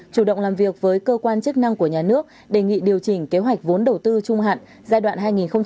chủ động làm việc với cơ quan chức năng của nhà nước đề nghị điều chỉnh kế hoạch vốn đầu tư trung hạn giai đoạn hai nghìn một mươi sáu hai nghìn hai mươi